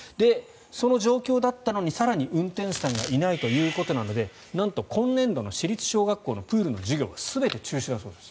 その状況だったのに更に運転手さんがいないということなのでなんと今年度の市立小学校のプールの授業は全て中止だそうです。